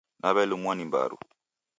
Naw'elumwa ni mbaru.